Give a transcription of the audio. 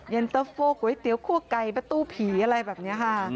เย็นเตอร์โฟก๋วยเตี๋ยคั่วไก่ประตูผีอะไรแบบนี้ค่ะ